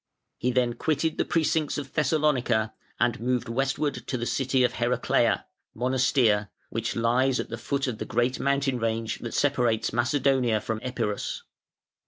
He then quitted the precincts of Thessalonica and moved westwards to the city of Heraclea (Monastir), which lies at the foot of the great mountain range that separates Macedonia from Epirus.